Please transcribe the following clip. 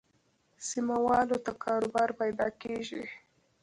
سیمه والو ته کاروبار پیدا کېږي.